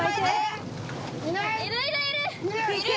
いるいるいる！